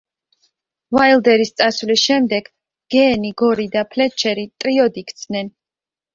უაილდერის წასვლის შემდეგ გეენი, გორი და ფლეტჩერი ტრიოდ იქცნენ.